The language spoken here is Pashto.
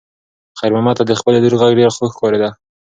خیر محمد ته د خپلې لور غږ ډېر خوږ ښکارېده.